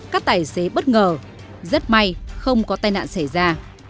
các tài xế bất ngờ rất may không có tai nạn xảy ra